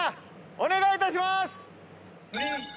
お願いいたします！